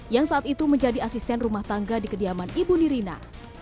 yang saat itu menjadi asisten rumah tangga di kediaman ibu nirina